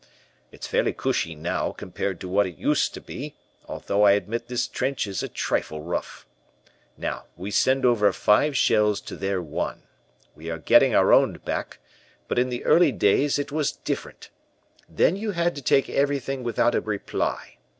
"It's fairly cushy now compared to what it used to be, although I admit this trench is a trifle rough. Now, we send over five shells to their one. We are getting our own back, but in the early days it was different. Then you had to take everything without a reply.